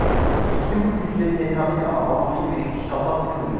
Bekir'in bu gülüşleri netameli ama, Allah hayır verir inşallah dedim, uyudum.